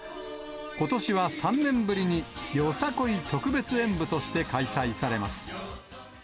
ことしは３年ぶりに、よさこい特別演舞として開催されます。